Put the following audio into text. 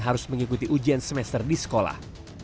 harus mengikuti ujian semester di sekolah